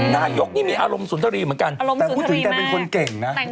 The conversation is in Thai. นายกนี่มีอารมณ์สุนทรีย์เหมือนกันแต่พูดถึงแกเป็นคนเก่งนะ